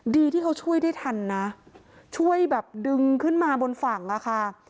ดีที่เขาช่วยได้ทันนะช่วยแบบดึงขึ้นมาบนฝั่งอะค่ะ